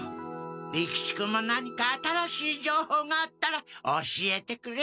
利吉君も何かあたらしいじょうほうがあったら教えてくれ。